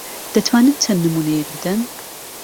دەتوانن چەند نموونەیەک بدەن؟